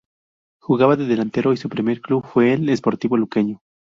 Jugaba de delantero y su primer club fue el Sportivo Luqueño.